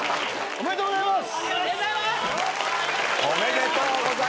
おめでとうございます。